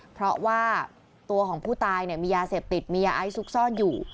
เพราะว่าตัวของผู้ตายมียาเสพติดมียาไอซุกซ่อนอยู่